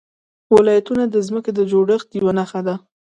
ولایتونه د ځمکې د جوړښت یوه نښه ده.